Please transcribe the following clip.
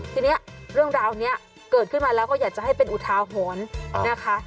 ทีนี้เรื่องราวนี้เกิดขึ้นมาแล้วก็อยากจะให้เป็นอุทาหรณ์นะคะ